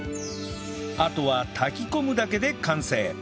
あとは炊き込むだけで完成